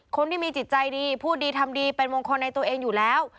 คนที่มีจิตใจดีพูดดีทำดีเป็นมงคลในตัวเองอยู่แล้ว